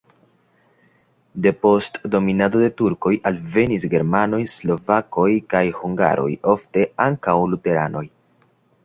Depost dominado de turkoj alvenis germanoj, slovakoj kaj hungaroj, ofte ankaŭ luteranoj.